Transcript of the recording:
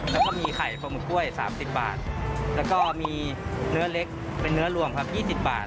แล้วก็มีไข่ปลาหมึกกล้วย๓๐บาทแล้วก็มีเนื้อเล็กเป็นเนื้อรวมครับ๒๐บาท